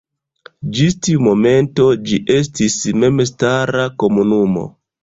Ĝis tiu momento ĝi estis memstara komunumo.